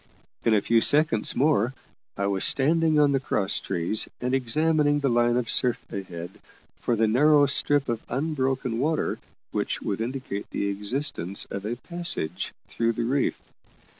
In a few seconds more I was standing on the cross trees and examining the line of surf ahead for the narrow strip of unbroken water which would indicate the existence of a passage through the reef.